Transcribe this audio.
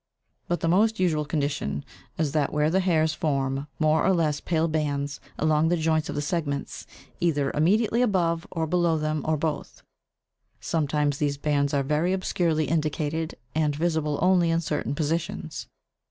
but the most usual condition is that where the hairs form more or less pale bands along the joints of the segments, either immediately above or below them or both; sometimes these bands are very obscurely indicated, and visible only in certain positions.